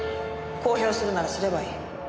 公表するならすればいい。